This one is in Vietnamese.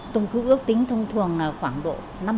tôi cứ ước tính thông thường là khoảng độ năm sáu mươi